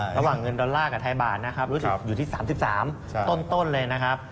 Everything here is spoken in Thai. ระหว่างเงินดอลลาร์กับไทยบาทนะครับรู้สึกอยู่ที่๓๓ต้นเลยนะครับ